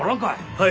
はい。